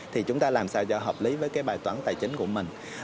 thì chúng ta làm sao cho hợp lý với cái bài toán tài chính của mình